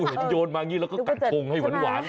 เห็นโยนมาแล้วก็กัดคงให้หวาน